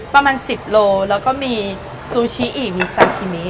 ประมาณ๑๐โลแล้วก็มีซูชิอีกมีซาชิมิ